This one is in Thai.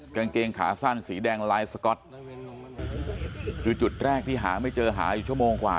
กางเกงขาสั้นสีแดงลายสก๊อตคือจุดแรกที่หาไม่เจอหาอยู่ชั่วโมงกว่า